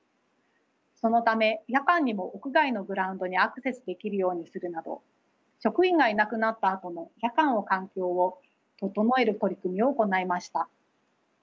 そのため夜間にも屋外のグラウンドにアクセスできるようにするなど職員がいなくなったあとの夜間の環境を整える取り組みを行いました。